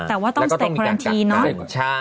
แต่ว่าต้องสเต็คคอรันทีเนาะ